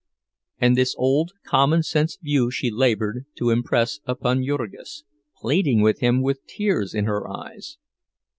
And this old common sense view she labored to impress upon Jurgis, pleading with him with tears in her eyes.